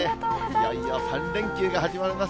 いよいよ３連休が始まります。